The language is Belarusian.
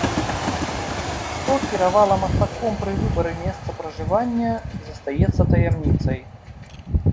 Што кіравала мастаком пры выбары месца пражывання, застаецца таямніцай.